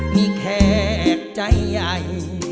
มีแขกใจใหญ่